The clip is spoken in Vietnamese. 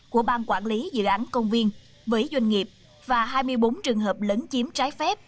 của bang quản lý dự án công viên với doanh nghiệp và hai mươi bốn trường hợp lấn chiếm trái phép